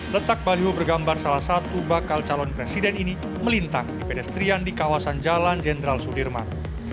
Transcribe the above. letak baliho bergambar salah satu bakal calon presiden ini melintang di pedestrian di kawasan jalan jenderal sudirman